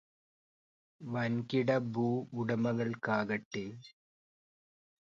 വൻകിട ഭൂ ഉടമകൾക്കാകട്ടെ.